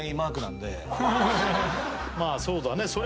まあそうだね